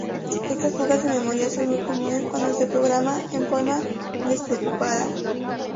Estas fugas de memoria son muy comunes cuando se programa en forma despreocupada.